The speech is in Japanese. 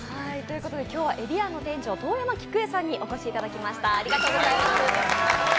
今日はえび庵の店長遠山菊江さんにお越しいただきました。